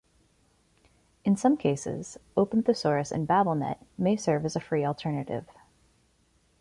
In some cases, OpenThesaurus and BabelNet may serve as a free alternative.